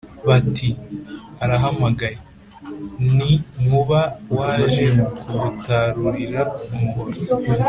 Bati : »‘arahamagaye. Ni Nkuba waje kugutarurira umuhoro. »